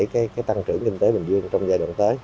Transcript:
cái tăng trưởng kinh tế bình dương trong giai đoạn tới